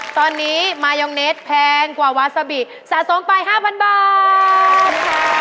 ตอนนี้มายองเนสแพงกว่าวาซาบิสะสมไป๕๐๐บาท